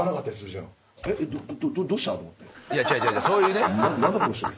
そういうね。